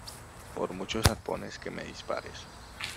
por muchos arpones que me dispares.